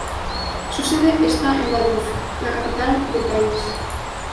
Su sede está en Vaduz, la capital del país.